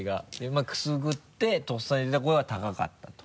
まぁくすぐってとっさに出た声は高かったと。